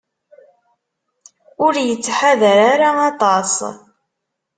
Ur yettḥadar ara aṭas.